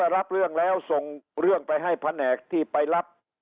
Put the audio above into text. รับเรื่องแล้วส่งเรื่องไปให้แผนกที่ไปรับ